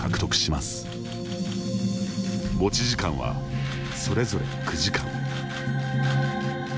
持ち時間はそれぞれ９時間。